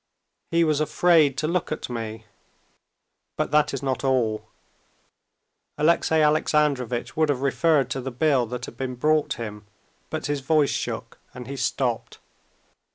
He was afraid to look at me, but that is not all...." Alexey Alexandrovitch would have referred to the bill that had been brought him, but his voice shook, and he stopped.